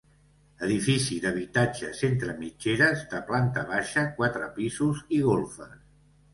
Edifici d'habitatges entre mitgeres, de planta baixa, quatre pisos i golfes.